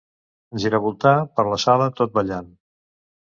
Giravoltar per la sala tot ballant.